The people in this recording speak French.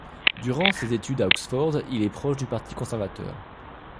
Durant ses études à Oxford, il est proche du Parti conservateur.